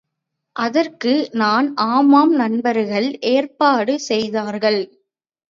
அதற்கு நான் ஆமாம் நண்பர்கள் ஏற்பாடு செய்தார்கள்.